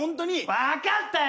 わかったよ！